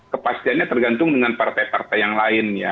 kepastiannya tergantung dengan partai partai yang lain ya